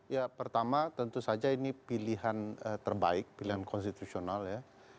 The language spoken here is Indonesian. ya pertama tentu saja ini pilihan terbaik pilihan konstitusional ya